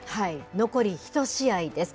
残り１試合です。